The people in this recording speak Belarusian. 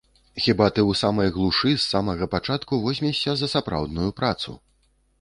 Хіба ты ў самай глушы з самага пачатку возьмешся за сапраўдную працу.